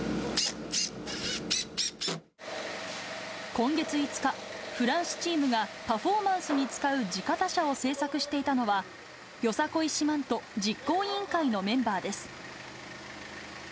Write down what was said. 今月５日、フランスチームがパフォーマンスに使う地方車を製作していたのは、よさこい四万十実行委員会のメンバーです。